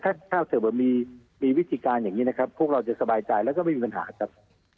ถ้าเกิดว่ามีวิธีการอย่างนี้นะครับพวกเราจะสบายใจแล้วก็ไม่มีปัญหาครับ